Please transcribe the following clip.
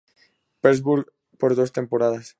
Petersburg por dos temporadas.